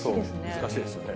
難しいですよね。